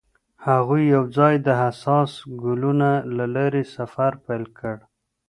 هغوی یوځای د حساس ګلونه له لارې سفر پیل کړ.